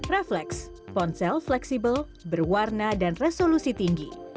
refleks ponsel fleksibel berwarna dan resolusi tinggi